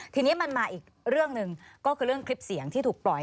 ทีนี้มันมาอีกเรื่องหนึ่งก็คือเรื่องคลิปเสียงที่ถูกปล่อย